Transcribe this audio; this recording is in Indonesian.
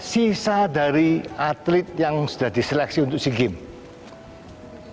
sisa dari atlet yang sudah diseleksi untuk sea games